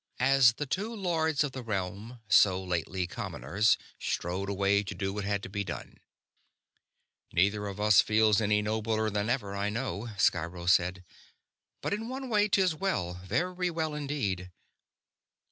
As the two Lords of the Realm, so lately commoners, strode away to do what had to be done: "Neither of us feels any nobler than ever, I know," Sciro said, "but in one way 'tis well very well indeed."